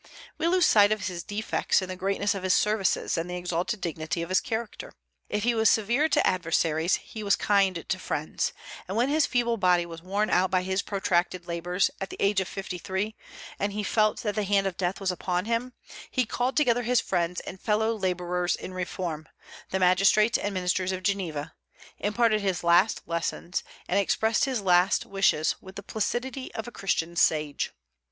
We lose sight of his defects in the greatness of his services and the exalted dignity of his character. If he was severe to adversaries, he was kind to friends; and when his feeble body was worn out by his protracted labors, at the age of fifty three, and he felt that the hand of death was upon him, he called together his friends and fellow laborers in reform, the magistrates and ministers of Geneva, imparted his last lessons, and expressed his last wishes, with the placidity of a Christian sage.